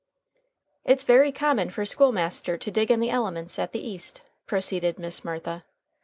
"It's very common for school master to dig in the elements at the East," proceeded Miss Martha.